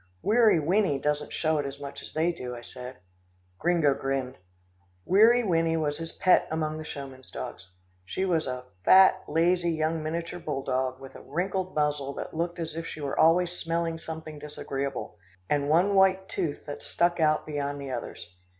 "Weary Winnie doesn't show it as much as they do," I said. Gringo grinned. Weary Winnie was his pet among the showman's dogs. She was a fat, lazy, young miniature bull dog with a wrinkled muzzle that looked as if she were always smelling something disagreeable and one white tooth that stuck out beyond the others.